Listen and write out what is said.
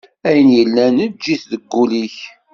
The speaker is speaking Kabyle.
Ayen yellan eǧǧ-it deg ul-ik.